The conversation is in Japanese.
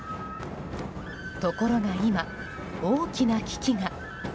ところが今、大きな危機が。